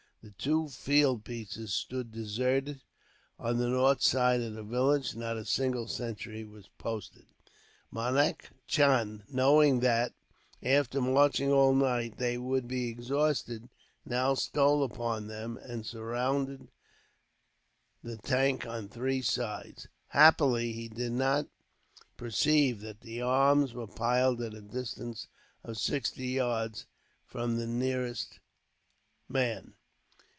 The two field pieces stood deserted, on the north side of the village. Not a single sentry was posted. Manak Chand, knowing that, after marching all night, they would be exhausted, now stole upon them, and surrounded the tank on three sides. Happily, he did not perceive that their arms were piled at a distance of sixty yards from the nearest man.